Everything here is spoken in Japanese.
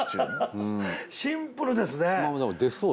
シンプルですね！